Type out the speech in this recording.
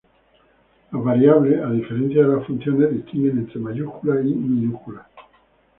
Las variables, a diferencia de las funciones, distinguen entre mayúsculas y minúsculas.